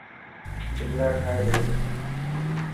جملا ٺاهي ڏي.